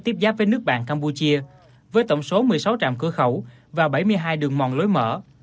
tiếp giáp với nước bạn campuchia với tổng số một mươi sáu trạm cửa khẩu và bảy mươi hai đường mòn lối mở